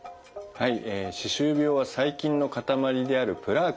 はい。